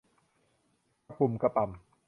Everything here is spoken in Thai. กระปุ่มกระป่ำ